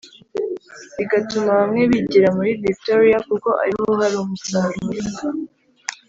bigatuma bamwe bigira muri Victoria kuko ariho hari umusaruro